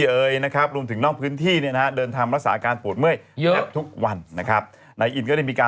เอาแป้งโรยกันซะต้องปล่อยจะตายไหมอะ